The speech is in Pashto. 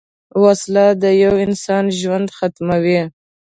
وسله د یوه انسان ژوند ختموي